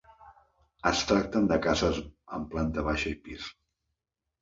Es tracten de cases amb planta baixa i pis.